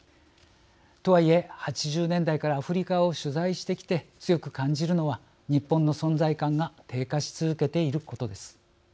とはいえ、８０年代からアフリカを取材してきて強く感じるのは日本の存在感が低下し続けていることです。